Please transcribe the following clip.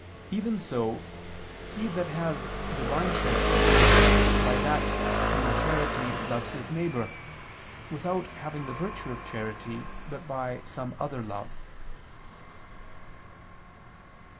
Even so, he that has Divine charity, by that same charity loves his neighbor, without having the virtue of charity, but by some other love.